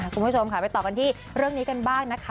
คุณผู้ชมค่ะไปต่อกันที่เรื่องนี้กันบ้างนะคะ